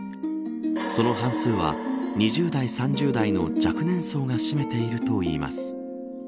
その半数は、２０代、３０代の若年層が占めているといいます。